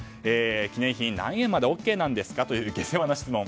記念品、何円までＯＫなんですか？という下世話な質問。